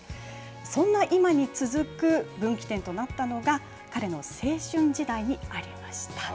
そんな今に続く分岐点となったのが、彼の青春時代にありました。